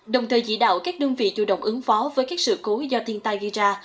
đồng thời dĩ đạo các đơn vị chủ động ứng phó với các sự cố do thiên tai gây ra